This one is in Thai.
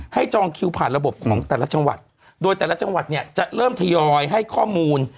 จองคิวผ่านระบบของแต่ละจังหวัดโดยแต่ละจังหวัดเนี่ยจะเริ่มทยอยให้ข้อมูล